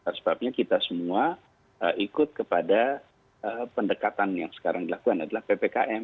itu juga sebabnya kita semua ikut kepada pendekatan yang sekarang dilakukan adalah ppk